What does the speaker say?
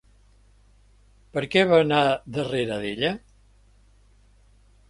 Per què va anar darrere d'ella?